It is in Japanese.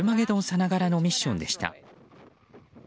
さながらのミッションでした。